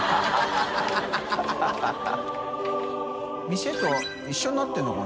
垢一緒になってるのかな？